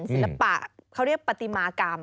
ศิลปะเขาเรียกปฏิมากรรม